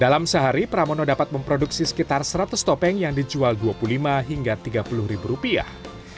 dalam sehari pramono dapat memproduksi sekitar seratus topeng yang dijual dua puluh lima hingga tiga puluh ribu rupiah